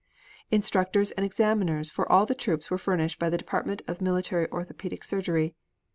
Instructors and examiners for all the troops were furnished by the Department of Military Orthopedic Surgery.